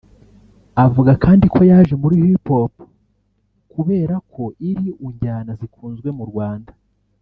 Avuga kandi ko yaje muri Hip-Hop kubera ko iri u njyana zikunzwe mu Rwanda